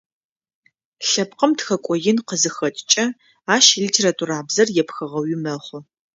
Лъэпкъым тхэкӏо ин къызыхэкӏыкӏэ ащ литературабзэр епхыгъэуи мэхъу.